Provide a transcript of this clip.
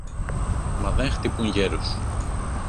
μα δε χτυπούν γέρους!